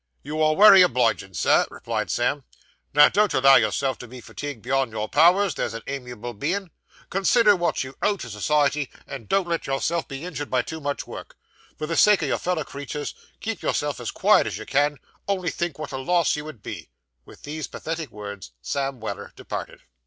'You are wery obligin', sir,' replied Sam. 'Now, don't allow yourself to be fatigued beyond your powers; there's a amiable bein'. Consider what you owe to society, and don't let yourself be injured by too much work. For the sake o' your feller creeturs, keep yourself as quiet as you can; only think what a loss you would be!' With these pathetic words, Sam Weller departed.